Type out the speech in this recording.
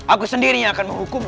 aku sendiri yang akan menghukum